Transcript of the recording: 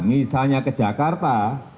misalnya ke jakarta